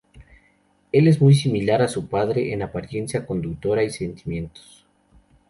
Él es muy similar a su padre en apariencia, conducta y sentimientos.